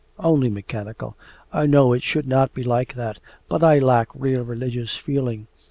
Only mechanical. I know it should not be like that, but I lack real religious feeling.